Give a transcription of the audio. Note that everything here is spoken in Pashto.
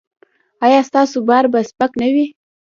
ایا ستاسو بار به سپک نه وي؟